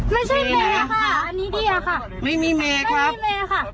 ไม่ใช่เมย์ค่ะอันนี้ดีอ่ะค่ะไม่มีเมย์ครับไม่มีเมย์ค่ะ